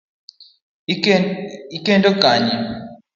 Ikendo Kanye?